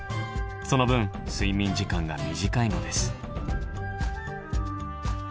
その分睡眠時間が短いのです。